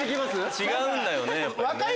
違うんだよねやっぱり。